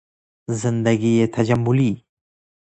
زندگی تجملی